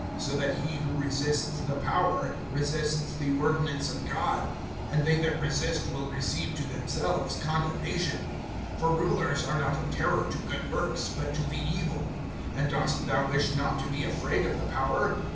(2)So that he who resists the power, resists the ordinance of God; and they that resist will receive to themselves condemnation. (3)For rulers are not a terror to good works, but to the evil. And dost thou wish not to be afraid of the power?